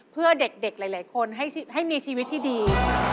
เพื่อเด็กหลายคนให้มีชีวิตที่ดี